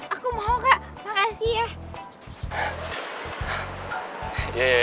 aku mau kak makasih ya